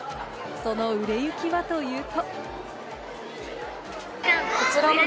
その売れ行きはというと。